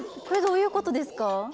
これどういうことですか？